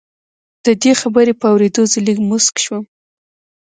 د دې خبرې په اورېدو زه لږ موسک شوم